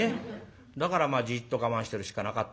だからじっと我慢してるしかなかったんでね